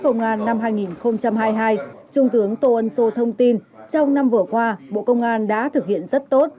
công an năm hai nghìn hai mươi hai trung tướng tô ân sô thông tin trong năm vừa qua bộ công an đã thực hiện rất tốt